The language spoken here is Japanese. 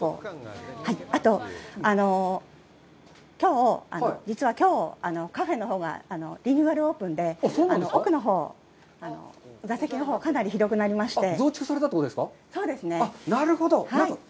あと、実は、きょう、カフェのほうがリニューアルオープンで、奥のほう、座席のほう、かなり広くなりまして。